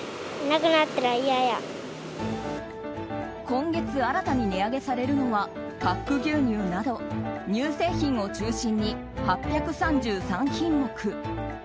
今月新たに値上げされるのはパック牛乳など乳製品を中心に８３３品目。